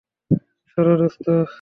সরো, দোস্ত।